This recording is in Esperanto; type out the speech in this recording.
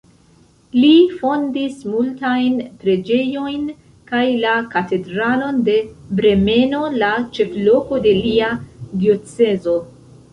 Li fondis multajn preĝejojn kaj la katedralon de Bremeno, la ĉefloko de lia diocezo.